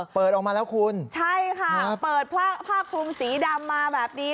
เปิดออกมาแล้วคุณใช่ค่ะเปิดผ้าคลุมสีดำมาแบบนี้